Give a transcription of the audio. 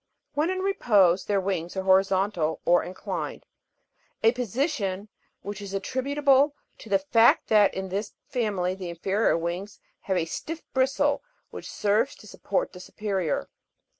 When in repose, their wings are horizontal or inclined, a position which is attributable to the fact that in this family the inferior wings have a stiff bristle which serves to sup port the superior.